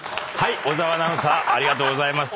小澤アナウンサーありがとうございました。